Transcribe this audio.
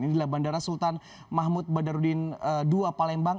inilah bandara sultan mahmud badarudin ii palembang